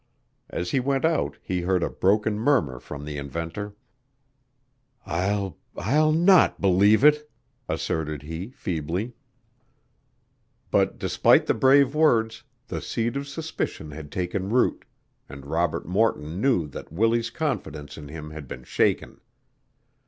As he went out he heard a broken murmur from the inventor: "I'll I'll not believe it," asserted he feebly. But despite the brave words, the seed of suspicion had taken root, and Robert Morton knew that Willie's confidence in him had been shaken.